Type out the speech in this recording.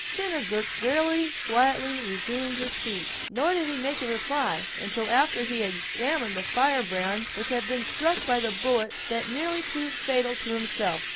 Chingachgook very quietly resumed his seat; nor did he make any reply, until after he had examined the firebrand which had been struck by the bullet that had nearly proved fatal to himself.